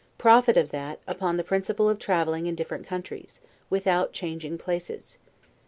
Profit of that, upon the principle of traveling in different countries, without changing places.